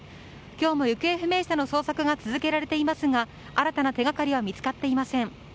今日も行方不明者の捜索が続けられていますが新たな手がかりは見つかっていません。